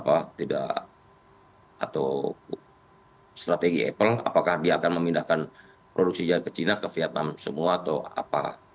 apa tidak atau strategi apple apakah dia akan memindahkan produksinya ke china ke vietnam semua atau apa